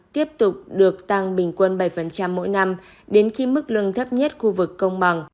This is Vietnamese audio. tiếp tục được tăng bình quân bảy mỗi năm đến khi mức lương thấp nhất khu vực công bằng